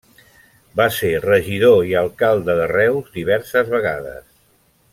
Va ser regidor i alcalde de Reus diverses vegades.